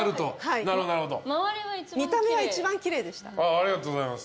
ありがとうございます。